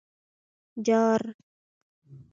_جار!